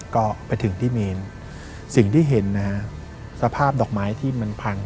ก็ไปถึงที่เมนสิ่งที่เห็นนะฮะสภาพดอกไม้ที่มันพัง